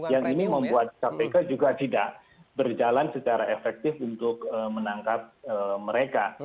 yang ini membuat kpk juga tidak berjalan secara efektif untuk menangkap mereka